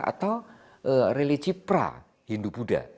atau religi pra hindu buddha